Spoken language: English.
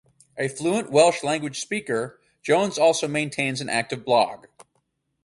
A fluent Welsh language speaker, Jones also maintains an active blog.